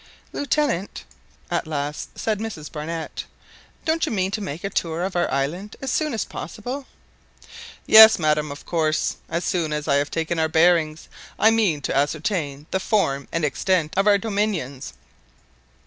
"Lieutenant," at last said Mrs Barnett, "don't you mean to make a tour of our island as soon as possible?" "Yes, madam, of course; as soon as I have taken our bearings, I mean to ascertain the form and extent of our dominions.